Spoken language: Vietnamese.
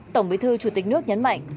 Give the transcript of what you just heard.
tổng bí thư chủ tịch nước nhấn mạnh